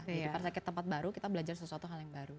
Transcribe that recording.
jadi pada saat ke tempat baru kita belajar sesuatu hal yang baru